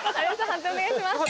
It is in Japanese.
判定お願いします。